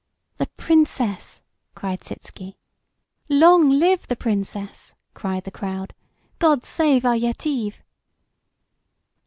"The Princess!" cried Sitzky. "Long live the Princess!" cried the crowd. "God save our Yetive!"